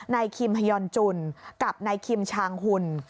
คิมฮยอนจุนกับนายคิมชางหุ่น